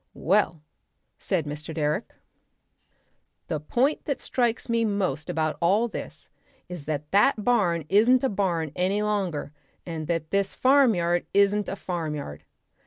"Well," said Mr. Direck, "the point that strikes me most about all this is that that barn isn't a barn any longer, and that this farmyard isn't a farmyard.